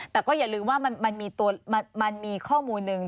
แต่ก็อย่าลืมว่ามันมีข้อมูลหนึ่ง